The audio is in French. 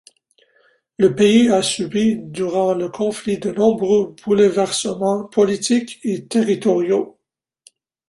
Le pays a subi durant le conflit de nombreux bouleversements politiques et territoriaux.